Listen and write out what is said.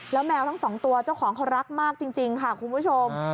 แล้วแมวทั้งสองตัวเจ้าของเขารักมากจริงค่ะคุณผู้ชม